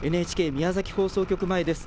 ＮＨＫ宮崎放送局前です。